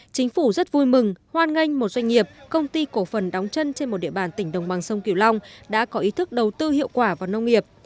chính phủ rất vui mừng hoan nghênh một doanh nghiệp công ty cổ phần đóng chân trên một địa bàn tỉnh đồng bằng sông kiều long đã có ý thức đầu tư hiệu quả vào nông nghiệp